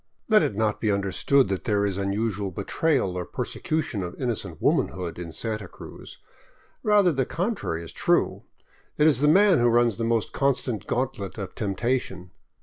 Let it not be understood that there is unusual betrayal or persecu tion of innocent womanhood in Santa Cruz. Rather the contrary is true. It is the man who runs the most constant gauntlet of temptation.